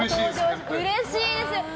うれしいです。